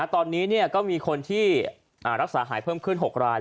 ตอนนี้ก็มีคนที่รักษาหายเพิ่มขึ้น๖ราย